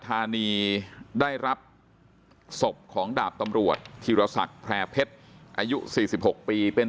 ธานีได้รับศพของดาบตำรวจธีรศักดิ์แพร่เพชรอายุ๔๖ปีเป็น